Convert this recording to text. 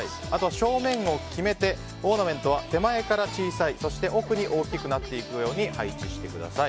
正面を決めてオーナメントは手前から小さく奥に大きくなっていくように配置してください。